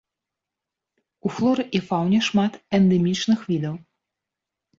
У флоры і фауне шмат эндэмічных відаў.